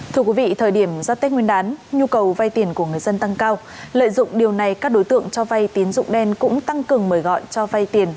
thưa quý vị thời điểm ra tết nguyên đán nhu cầu vay tiền của người dân tăng cao lợi dụng điều này các đối tượng cho vay tín dụng đen cũng tăng cường mời gọi cho vay tiền